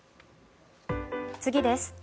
次です。